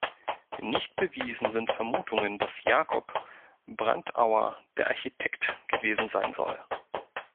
Nicht bewiesen sind Vermutungen, dass Jakob Prandtauer der Architekt gewesen sein soll.